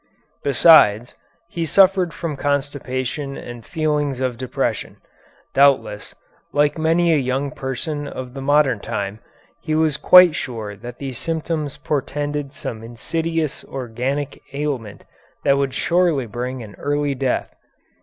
Besides, he suffered from constipation and feelings of depression. Doubtless, like many a young person of the modern time, he was quite sure that these symptoms portended some insidious organic ailment that would surely bring an early death.